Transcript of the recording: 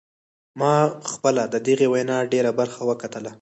ما پخپله د دغې وینا ډیره برخه وکتله.